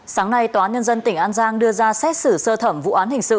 sáng nay tòa án nhân dân tỉnh an giang đưa ra xét xử sơ thẩm vụ án hình sự